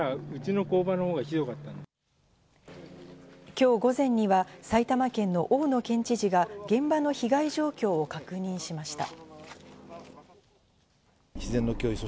今日午前には埼玉県の大野県知事が現場の被害状況を確認しました。